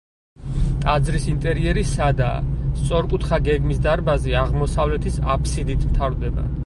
ტაძრის ინტერიერი სადაა, სწორკუთხა გეგმის დარბაზი აღმოსავლეთის აფსიდით მთავრდება.